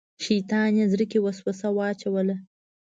شیطان یې زړه کې وسوسه واچوله.